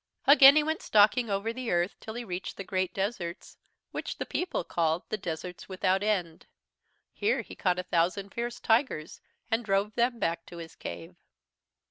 "Again he went stalking over the Earth till he reached the great deserts, which the people called 'the Deserts Without End.' Here he caught a thousand fierce tigers and drove them back to his cave.